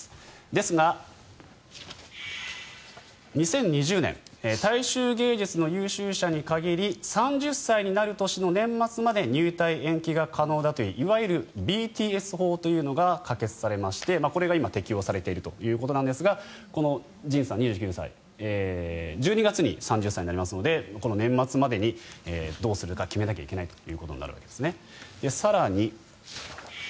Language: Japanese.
ですが、２０２０年大衆芸術の優秀者に限り３０歳になる年の年末まで入隊延期が可能だといういわゆるＢＴＳ法というのが可決されましてこれが今、適用されているということなんですがＪＩＮさん、２９歳１２月に３０歳になるのでこの年末までにどうするか決めなきゃいけないということです。